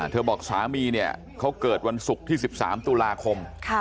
บอกสามีเนี่ยเขาเกิดวันศุกร์ที่๑๓ตุลาคม